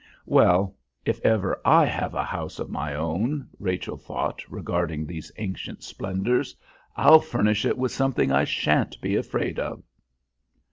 "Well, if ever I have a house of my own," Rachel thought regarding these ancient splendours, "I'll furnish it with something I shan't be afraid of."